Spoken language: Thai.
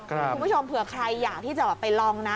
คุณผู้ชมเผื่อใครอยากที่จะไปลองนะ